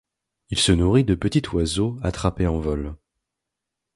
Il se nourrit de petits oiseaux attrapés en vol.